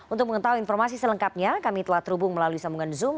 untuk mengetahui informasi selengkapnya kami telah terhubung melalui sambungan zoom